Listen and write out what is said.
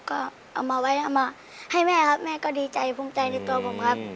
ก็เอามาไว้เอามาให้แม่ครับแม่ก็ดีใจภูมิใจในตัวผมครับ